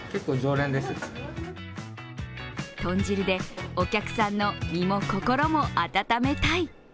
豚汁でお客さんの身も心も温めたい。